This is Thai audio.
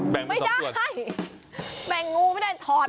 ถอดออกมาไม่ได้